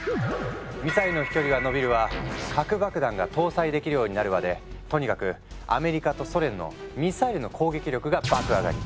ミサイルの飛距離はのびるわ核爆弾が搭載できるようになるわでとにかくアメリカとソ連のミサイルの攻撃力が爆上がり。